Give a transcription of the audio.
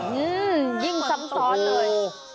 อืมยิ่งซ้ำซ้อนเลย